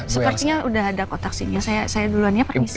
sepertinya udah ada kok taksinya saya duluan ya permisi